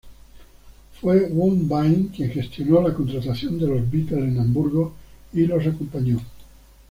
Fue Woodbine quien gestionó la contratación de Los Beatles en Hamburgo y los acompañó.